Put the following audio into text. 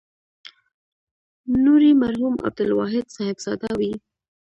نوري مرحوم د عبدالواحد صاحبزاده زوی.